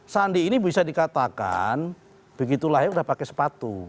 sandi ini bisa dikatakan begitu lahir sudah pakai sepatu